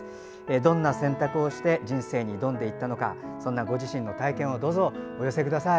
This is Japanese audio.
どんな選択をして人生に挑んでいったのかそんなご自身の体験をどうぞ教えてください。